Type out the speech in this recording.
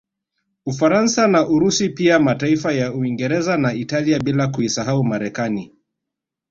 Ufaransa na Urusi pia mataifa ya Uingereza na Italia bila kuisahau Marekani